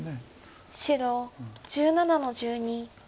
白１７の十二。